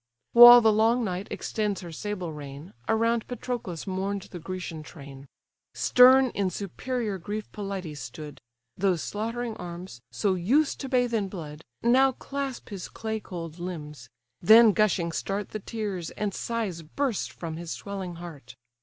While the long night extends her sable reign, Around Patroclus mourn'd the Grecian train. Stern in superior grief Pelides stood; Those slaughtering arms, so used to bathe in blood, Now clasp his clay cold limbs: then gushing start The tears, and sighs burst from his swelling heart.